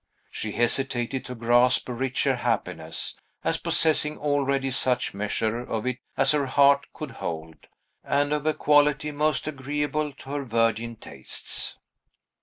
She hesitated to grasp a richer happiness, as possessing already such measure of it as her heart could hold, and of a quality most agreeable to her virgin tastes.